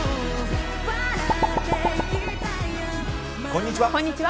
こんにちは。